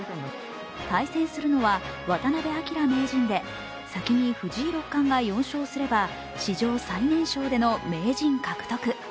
対戦するのは渡辺明名人で、先に藤井六冠が４勝すれば史上最年少での名人獲得。